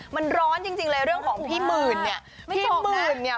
มันร้อนจริงจริงเลยเรื่องของพี่หมื่นเนี่ยพี่ของหมื่นเนี่ย